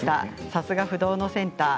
さすが不動のセンター。